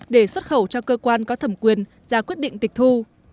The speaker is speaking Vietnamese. để xuất khẩu cho cơ quan có thẩm quyền ra quyết định tịch thu